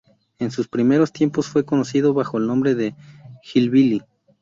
En sus primeros tiempos fue conocido bajo el nombre de hillbilly.